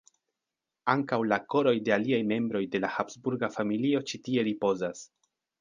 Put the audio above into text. Ankaŭ la koroj de aliaj membroj de la habsburga familio ĉi tie ripozas.